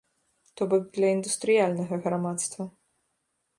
То бок для індустрыяльнага грамадства.